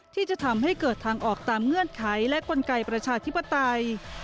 ที่จะทำให้เกิดทางออกตามเงื่อนไขและกลไกประชาธิปไตย